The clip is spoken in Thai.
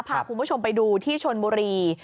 พาคุณผู้ชมไปดูที่ชนบุรี